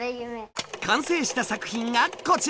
完成した作品がこちら！